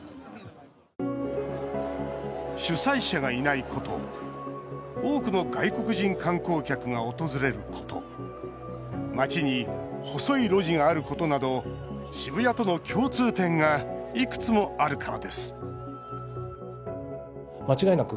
主催者がいないこと多くの外国人観光客が訪れること街に細い路地があることなど渋谷との共通点がいくつもあるからです